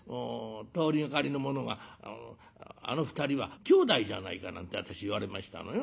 通りがかりの者があの２人はきょうだいじゃないかなんて私言われましたのよ。